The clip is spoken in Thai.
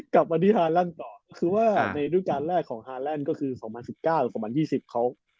กับอธิษฐานฮาลานด์ก่อนคือว่าในรูปการณ์แรกของฮาลานด์ก็คือ๒๐๑๙๒๐๒๐เขา